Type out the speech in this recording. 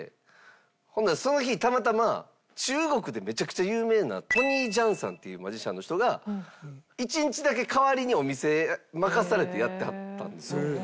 ほんならその日たまたま中国でめちゃくちゃ有名なトニー・ジャンさんっていうマジシャンの人が１日だけ代わりにお店任されてやってはったんですよ。